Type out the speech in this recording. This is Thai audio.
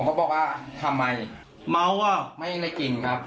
ผมก็บอกว่าทำไมไม่ได้กินครับ